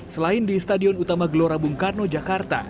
selain di stadion utama gelora bung karno jakarta